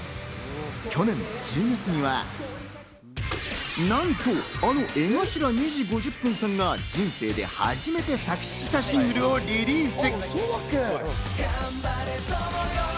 去年１０月には、なんとあの江頭２：５０さんが人生で初めて作詞したＣＤをリリース。